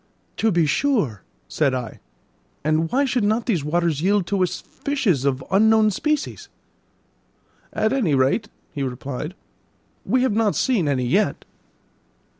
"To be sure," said I; "and why should not these waters yield to us fishes of unknown species?" "At any rate," he replied, "we have not seen any yet."